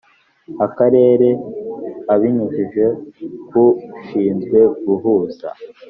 Akarere abinyujije ku ushinzwe guhuza